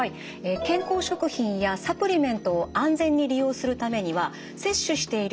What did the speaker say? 健康食品やサプリメントを安全に利用するためには摂取している